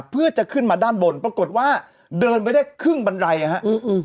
เพื่อจะขึ้นมาด้านบนปรากฏว่าเดินไปได้ครึ่งบันไดอ่ะฮะอืม